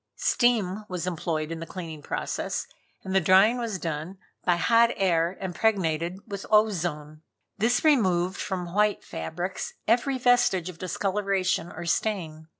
Steam was employed in the cleaning process, and the drying was done by hot air impregnated with ozone. This removed from white fabrics every vestige of discoloration or stain.